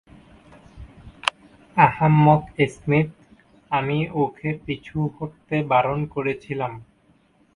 আহাম্মক Smith, আমি ওকে পিছু হটতে বারণ করেছিলাম।